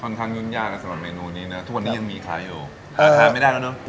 ค่อนข้างยุ่งยากนะสำหรับเมนูนี้เนี่ยทุกวันนี้ยังมีค้าอยู่ทานไม่ได้แล้วเนาะ